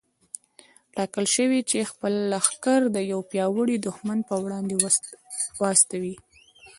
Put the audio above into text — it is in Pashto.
ټاکل شوې وه چې خپل لښکر د يوه پياوړي دښمن پر وړاندې واستوي.